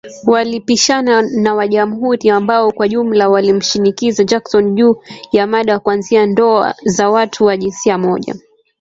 Walipishana na wa jamuhuri ambao kwa ujumla walimshinikiza Jackson, juu ya mada kuanzia ndoa za watu wa jinsia moja